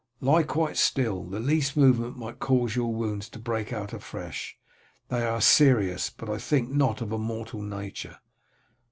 "Lie quite still, the least movement might cause your wounds to break out afresh. They are serious, but I think not of a mortal nature."